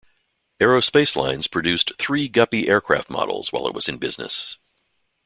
Aero Spacelines produced three Guppy aircraft models while it was in business.